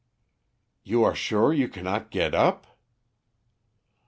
"You are sure you cannot get up?"